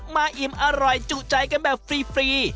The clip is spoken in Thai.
อิ่มอร่อยจุใจกันแบบฟรี